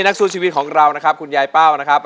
นักสู้ชีวิตของเรานะครับคุณยายเป้านะครับ